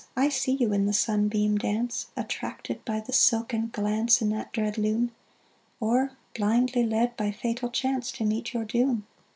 I see you in the sunbeam dance: Attracted by the silken glance In that dread loom; Or blindly led, by fatal chance, To meet your doom.